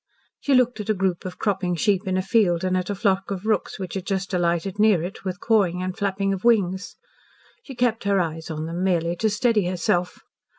She looked at a group of cropping sheep in a field and at a flock of rooks which had just alighted near it with cawing and flapping of wings. She kept her eyes on them merely to steady herself.